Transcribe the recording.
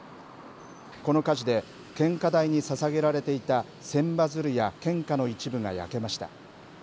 この火事で、献花台にささげられていた千羽鶴や献花の一部が焼けました。